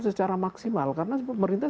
secara maksimal karena pemerintah